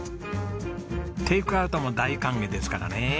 テイクアウトも大歓迎ですからね。